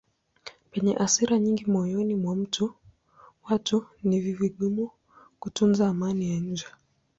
Penye hasira nyingi moyoni mwa watu ni vigumu kutunza amani ya nje.